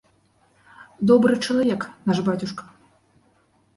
Добры чалавек наш бацюшка.